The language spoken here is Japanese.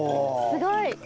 すごい。